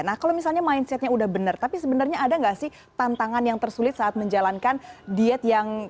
nah kalau misalnya mindsetnya udah benar tapi sebenarnya ada nggak sih tantangan yang tersulit saat menjalankan diet yang